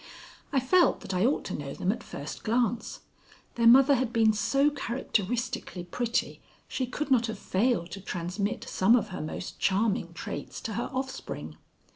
I felt that I ought to know them at first glance. Their mother had been so characteristically pretty, she could not have failed to transmit some of her most charming traits to her offspring.